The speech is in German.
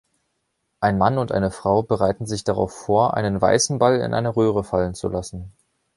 Ein Mann und eine Frau bereiten sich darauf vor, einen weißen Ball in eine Röhre fallen zu lassen.